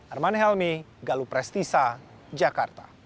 arman helmi galuprestisa jakarta